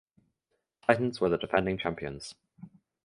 Titans were the defending champions.